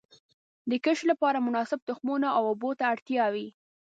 د کښت لپاره مناسب تخمونو او اوبو ته اړتیا وي.